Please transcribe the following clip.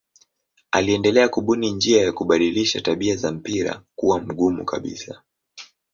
Aliendelea kubuni njia ya kubadilisha tabia za mpira kuwa mgumu kabisa.